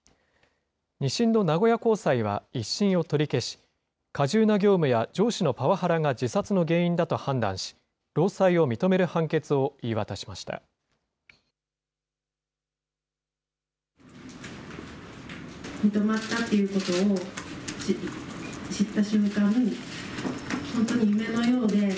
２審の名古屋高裁は、１審を取り消し、過重な業務や上司のパワハラが自殺の原因だと判断し、労災を認める判決を言い渡しました。